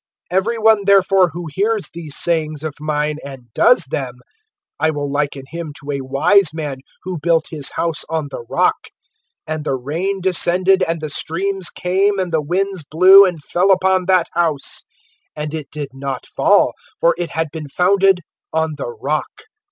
(24)Every one, therefore, who hears these sayings of mine[7:24], and does them, I will liken him to a wise man, who built his house on the rock. (25)And the rain descended, and the streams came, and the winds blew, and fell upon that house; and it did not fall, for it had been founded on the rock.